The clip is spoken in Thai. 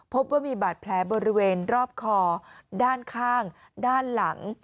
พบว่ามีบาดแผลบริเวณรอบคอด้านข้างด้านหลัง